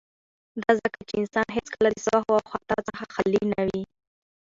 ، دا ځکه چې انسان هيڅکله د سهو او خطا څخه خالي نه وي.